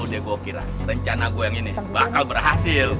udah gua kira rencana gua yang ini bakal berhasil